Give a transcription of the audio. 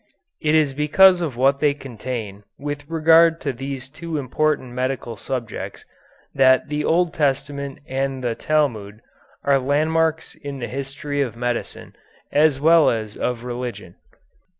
It is because of what they contain with regard to these two important medical subjects that the Old Testament and the Talmud are landmarks in the history of medicine as well as of religion.